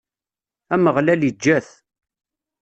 Ameɣlal iǧǧa-t.